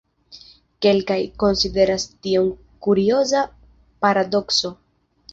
Kelkaj konsideras tion kurioza paradokso.